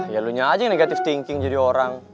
ya lo nyanyi aja yang negatif thinking jadi orang